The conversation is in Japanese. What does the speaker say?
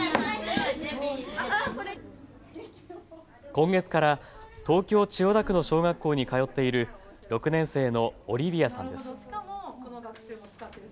今月から東京千代田区の小学校に通っている６年生のオリビアさんです。